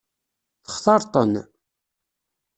Textaṛeḍ-ten?